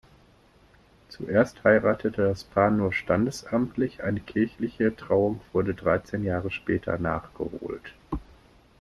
Zuerst heiratete das Paar nur standesamtlich, eine kirchliche Trauung wurde dreizehn Jahre später nachgeholt.